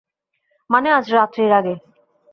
মানে, আজ রাত্রির আগে।